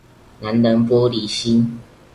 男人玻璃心